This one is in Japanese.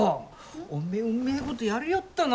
おめえうめえことやりよったな。